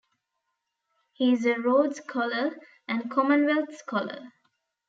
He is a Rhodes Scholar and Commonwealth Scholar.